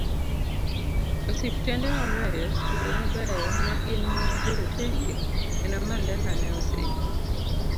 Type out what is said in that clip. Osiptende mabeyo, skunde mabeyo negin magjorotenge, kendo Mandela ne osin